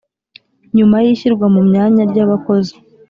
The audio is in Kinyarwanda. nyuma y’ishyirwa mu myanya ry’abakozi,